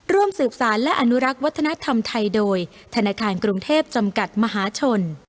ร่วมสืบสารและอนุรักษ์วัฒนธรรมไทยโดยธนาคารกรุงเทพจำกัดมหาชน